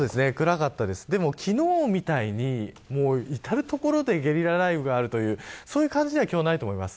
でも、昨日みたいに至る所でゲリラ雷雨があるという感じではないと思います。